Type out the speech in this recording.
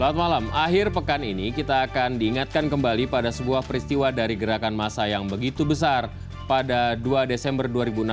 selamat malam akhir pekan ini kita akan diingatkan kembali pada sebuah peristiwa dari gerakan masa yang begitu besar pada dua desember dua ribu enam belas